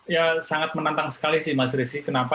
ya sangat menantang sekali sih mas rizky kenapa